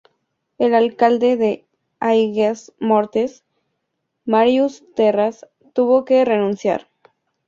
El Alcalde de Aigues-Mortes, Marius Terras, tuvo que renunciar.